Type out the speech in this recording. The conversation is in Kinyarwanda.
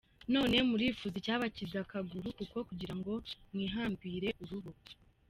None murifuza icyabakiza akaguru kuko, kugirango mwihambirire urubo ?